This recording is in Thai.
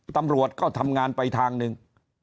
ตำรวจก็ทำงานไปทางหนึ่ง